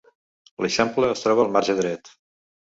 L'eixample es troba al marge dret.